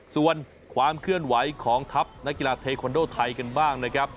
ส่วนความเคลื่อนไหวของทัพนักกีฬาเทคอนโดไทยกันบ้างนะครับ